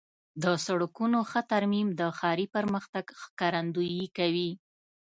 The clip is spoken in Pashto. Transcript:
د سړکونو ښه ترمیم د ښاري پرمختګ ښکارندویي کوي.